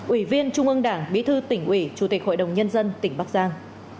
ủy viên trung ương đảng bí thư tỉnh ủy chủ tịch hội đồng nhân dân tỉnh bắc giang